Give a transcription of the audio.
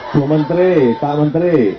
buk menteri pak menteri